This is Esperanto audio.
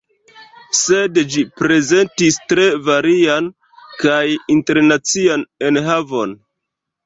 Sed ĝi prezentis tre varian kaj internacian enhavon.